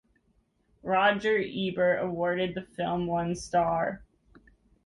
Roger Ebert awarded the film one star.